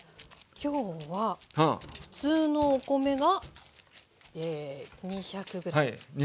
今日は普通のお米が２００ｇ。